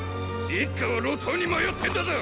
一家は路頭に迷ってんだぞ！